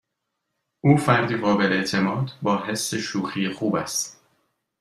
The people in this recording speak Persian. او فردی قابل اعتماد با حس شوخی خوب است.